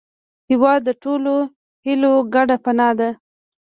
هېواد د ټولو هیلو ګډه پناه ده.